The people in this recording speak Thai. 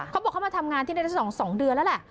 เขาบอกเขามาทำงานที่นี่ในสองเดือนแล้วล่ะ